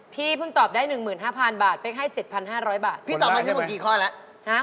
พี่ตอบประชาชนหมดกี่ข้อแล้ว